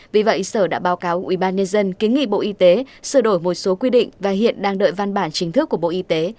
vì vậy sở đã báo cáo ubnd kiến nghị bộ y tế sửa đổi một số quy định và hiện đang đợi văn bản chính thức của bộ y tế